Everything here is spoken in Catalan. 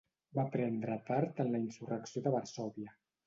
Va prendre part en la Insurrecció de Varsòvia.